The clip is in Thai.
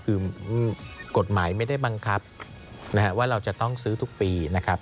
คือกฎหมายไม่ได้บังคับนะฮะว่าเราจะต้องซื้อทุกปีนะครับ